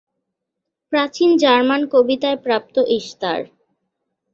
প্রাচীন জার্মান কবিতায় প্রাপ্ত ইশতার।